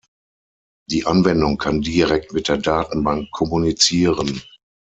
Die Anwendung kann direkt mit der Datenbank kommunizieren.